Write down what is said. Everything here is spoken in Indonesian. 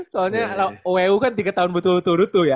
soalnya wu kan tiga tahun berturut turut tuh ya